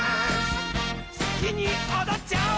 すきにおどっちゃおう！